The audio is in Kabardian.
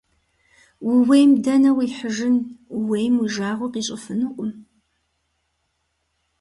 Ууейм дэнэ уихьыжын, ууейм уи жагъуэ къищӀыфынукъым.